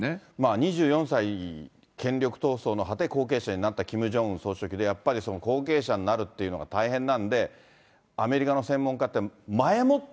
２４歳、権力闘争の末、後継者になったキム・ジョンウン総書記で、やっぱりその後継者になるっていうのは大変なんで、アメリカの専門家って、前もって